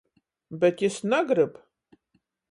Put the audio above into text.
Bet jis nagrib.